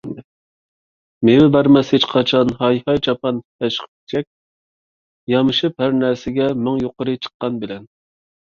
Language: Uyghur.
مېۋە بەرمەس ھېچقاچان ھاي - ھاي چاپان ھەشقىپىچەك، يۆمىشىپ ھەرنەرسىگە مىڭ يۇقىرى چىققان بىلەن.